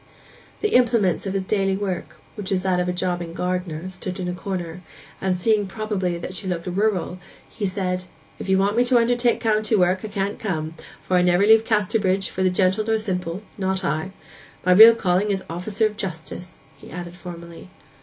The implements of his daily work, which was that of a jobbing gardener, stood in a corner, and seeing probably that she looked rural, he said, 'If you want me to undertake country work I can't come, for I never leave Casterbridge for gentle nor simple—not I. My real calling is officer of justice,' he added formally.